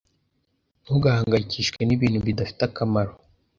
Ntugahangayikishwe nibintu bidafite akamaro.